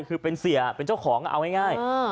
คือเป็นเสียเป็นเจ้าของเอาง่าย